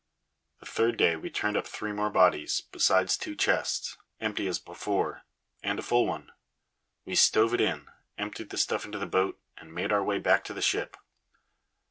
The third day we turned up three more bodies, besides two chests, empty as before, and a full one. We stove it in, emptied the stuff into the boat, and made our way back to the ship.